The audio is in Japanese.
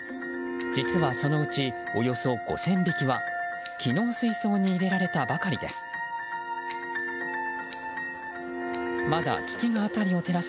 実はそのうちおよそ５０００匹は昨日水槽に入れられたばかりです。